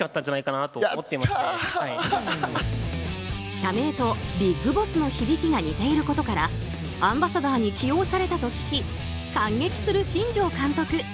社名とビッグボスの響きが似ていることからアンバサダーに起用されたと聞き感激する新庄監督。